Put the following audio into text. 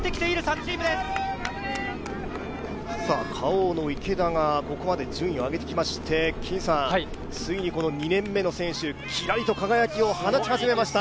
Ｋａｏの池田がここまで順位を上げてきまして、ついに２年目の選手、きらりと輝きを放ち始めました。